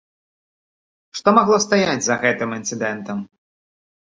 Што магло стаяць за гэтым інцыдэнтам?